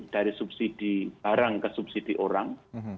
dari subsidi barang ke subsidi orang